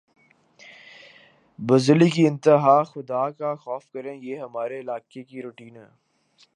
بزدلی کی انتہا خدا کا خوف کریں یہ ہمارے علاقے کی روٹین ھے